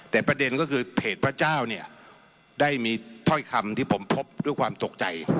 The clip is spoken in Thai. แต่ประเด็นก็คือเพจพระเจ้าเนี่ยได้มีถ้อยคำที่ผมพบด้วยความตกใจ